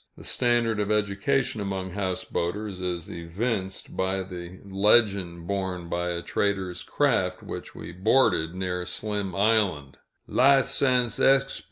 The standard of education among houseboaters is evinced by the legend borne by a trader's craft which we boarded near Slim Island: "Lisens exp.